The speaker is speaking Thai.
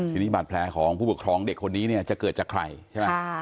ทีนี้บาดแผลของผู้ปกครองเด็กคนนี้เนี่ยจะเกิดจากใครใช่ไหม